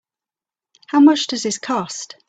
How much does this cost?